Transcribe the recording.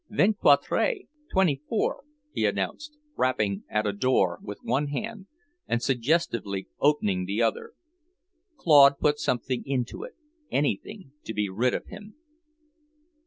"Vingt quatre, twen'y four," he announced, rapping at a door with one hand and suggestively opening the other. Claude put something into it anything to be rid of him.